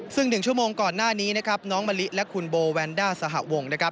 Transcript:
ซึ่ง๑ชั่วโมงก่อนหน้านี้นะครับน้องมะลิและคุณโบแวนด้าสหวงนะครับ